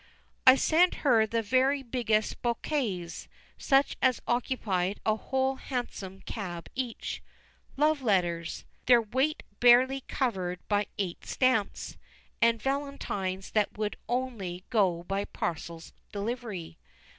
I sent her the very biggest bouquets, such as occupied a whole hansom cab each; love letters, their weight barely covered by eight stamps; and valentines that would only go by parcels delivery.